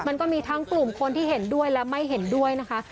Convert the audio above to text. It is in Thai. มันก็มีทั้งกลุ่มคนที่เห็นด้วยและไม่เห็นด้วยนะคะ